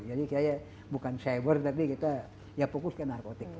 jadi saya bukan cyber tapi kita ya fokus ke narkotik